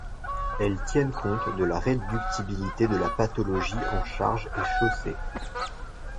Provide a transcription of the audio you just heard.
Elles tiennent compte de la réductibilité de la pathologie en charge et chaussé.